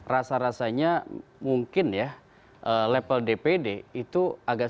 rasa rasanya mungkin ya level dpd itu agak sulit untuk kemudian menangani